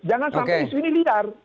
jangan sampai isu ini liar